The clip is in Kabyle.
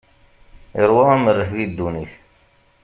Iṛwa amerret di ddunit.